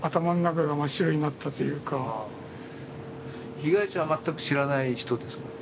被害者は全く知らない人ですか？